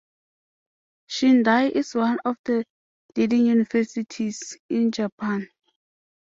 Shindai is one of the leading universities in Japan.